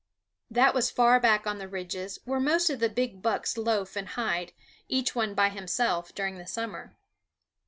That was far back on the ridges, where most of the big bucks loaf and hide, each one by himself, during the summer.